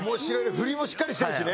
フリもしっかりしてるしね。